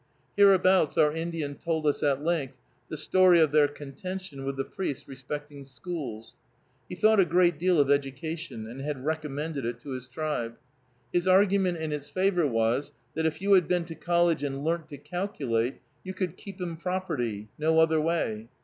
Hereabouts our Indian told us at length the story of their contention with the priest respecting schools. He thought a great deal of education and had recommended it to his tribe. His argument in its favor was, that if you had been to college and learnt to calculate, you could "keep 'em property, no other way."